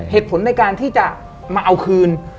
เหตุผลในการที่จะมาเอาคืน